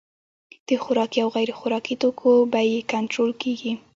د خوراکي او غیر خوراکي توکو بیې کنټرول کیږي.